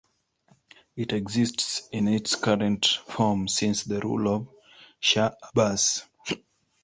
It exists in its current form since the rule of Shah Abbas.